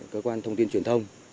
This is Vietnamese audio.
cơ quan thông tin truyền thông